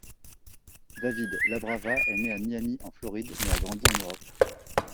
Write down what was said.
David Labrava est né à Miami en Floride, mais a grandi en Europe.